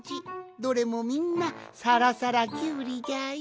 どれもみんなさらさらキュウリじゃよ。